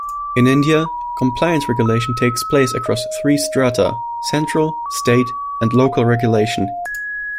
In India, compliance regulation takes place across three strata: Central, State, and Local regulation.